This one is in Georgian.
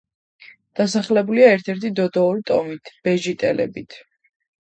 დასახლებულია ერთ-ერთი დიდოური ტომით, ბეჟიტელებით.